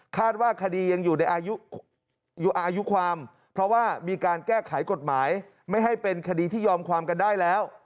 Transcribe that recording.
ว่าคดียังอยู่ในอายุความเพราะว่ามีการแก้ไขกฎหมายไม่ให้เป็นคดีที่ยอมความกันได้แล้ว